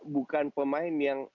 bukan pemain yang